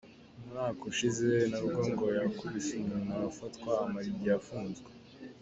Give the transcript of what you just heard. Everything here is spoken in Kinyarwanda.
Umwaka ushize na bwo ngo yakubise umuntu arafatwa amara igihe afunzwe.